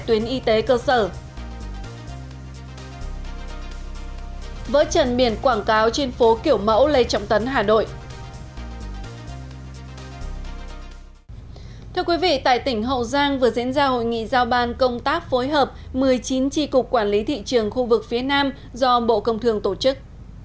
thưa quý vị tại tỉnh hậu giang vừa diễn ra hội nghị giao ban công tác phối hợp một mươi chín tri cục quản lý thị trường khu vực phía nam do bộ công thương tổ chức